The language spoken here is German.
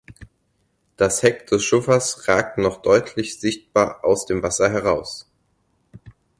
Das Heck des Schiffes ragt noch deutlich sichtbar aus dem Wasser heraus.